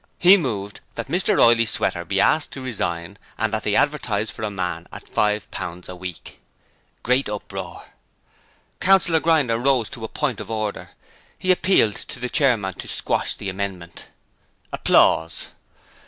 He moved that Mr Oyley Sweater be asked to resign and that they advertise for a man at five pounds a week. (Great uproar.) Councillor Grinder rose to a point of order. He appealed to the Chairman to squash the amendment.